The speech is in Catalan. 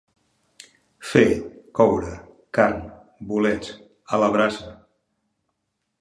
Fer, coure, carn, bolets, a la brasa.